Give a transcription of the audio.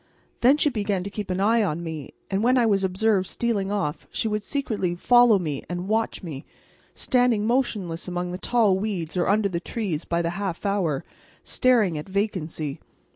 Then she began to keep an eye on me, and when I was observed stealing off she would secretly follow and watch me, standing motionless among the tall weeds or under the trees by the half hour, staring at vacancy.